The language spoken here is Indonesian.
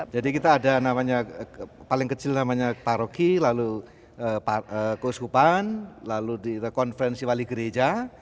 jadi kita ada namanya paling kecil namanya paroki lalu keusupan lalu konferensi wali gereja